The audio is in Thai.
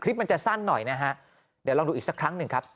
มันจะสั้นหน่อยนะฮะเดี๋ยวลองดูอีกสักครั้งหนึ่งครับ